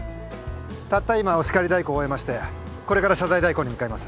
たった今お叱り代行終えましてこれから謝罪代行に向かいます。